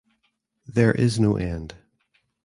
There is no end.